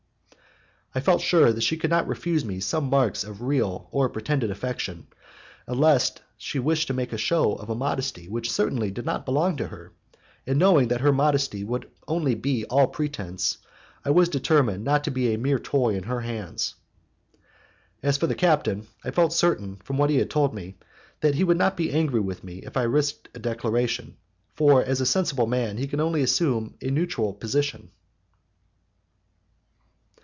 I felt sure that she could not refuse me some marks of real or of pretended affection, unless she wished to make a show of a modesty which certainly did not belong to her, and, knowing that her modesty would only be all pretence, I was determined not to be a mere toy in her hands. As for the captain, I felt certain, from what he had told me, that he would not be angry with me if I risked a declaration, for as a sensible man he could only assume a neutral position.